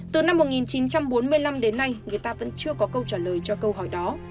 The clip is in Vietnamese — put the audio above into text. từ năm một nghìn chín trăm bốn mươi năm đến nay người ta vẫn chưa có câu trả lời cho câu hỏi đó